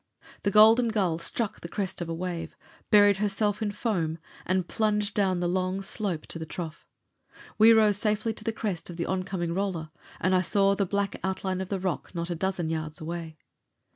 The Golden Gull struck the crest of a wave, buried herself in the foam, and plunged down the long slope to the trough. We rose safely to the crest of the oncoming roller, and I saw the black outline of the rock not a dozen yards away.